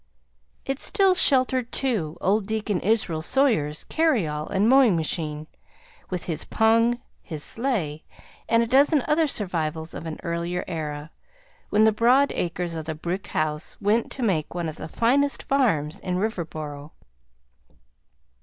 It still sheltered, too, old Deacon Israel Sawyer's carryall and mowing machine, with his pung, his sleigh, and a dozen other survivals of an earlier era, when the broad acres of the brick house went to make one of the finest farms in Riverboro.